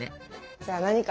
じゃあ何か。